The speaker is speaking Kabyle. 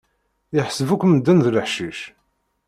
Iḥseb akk medden d leḥcic.